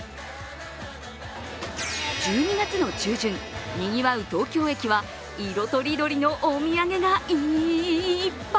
１２月の中旬、にぎわう東京駅は色とりどりのお土産がいーっぱい。